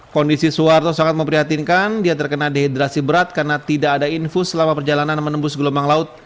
kondisi soeharto sangat memprihatinkan dia terkena dehidrasi berat karena tidak ada infus selama perjalanan menembus gelombang laut